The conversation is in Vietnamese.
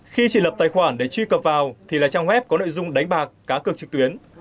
khi chị lập tài khoản để truy cập vào thì là trang web có nội dung đánh bạc cá cực trực tuyến